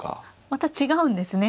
また違うんですね